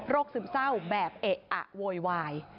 ซึมเศร้าแบบเอะอะโวยวาย